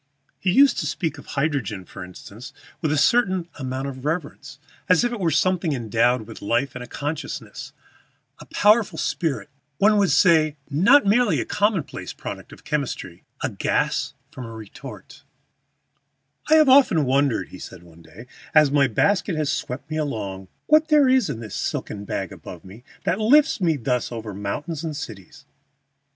He used to speak of hydrogen, for instance, with a certain almost reverence, as if it were something endowed with life and consciousness, a powerful spirit, one would say, not merely a commonplace product of chemistry, a gas from a retort. [Illustration: A BALLOON PICNIC AT THE AËRONAUTS' HOME.] "I have often wondered," he said one day, "as my basket has swept me along, what there is in this silken bag above me that lifts me thus over mountains and cities.